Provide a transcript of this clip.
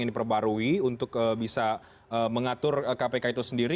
yang diperbarui untuk bisa mengatur kpk itu sendiri